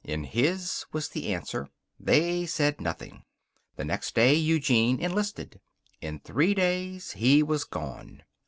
In his was the answer. They said nothing. The next day Eugene enlisted. In three days he was gone.